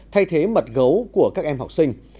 thay thế mật gấu của các em học sinh